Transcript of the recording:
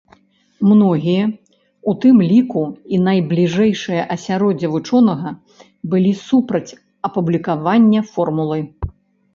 Многія, у тым ліку і найбліжэйшае асяроддзе вучонага, былі супраць апублікавання формулы.